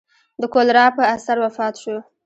د کولرا په اثر وفات شو.